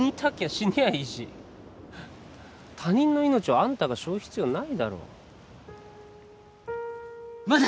死にゃいいし他人の命をあんたが背負う必要ないだろまだ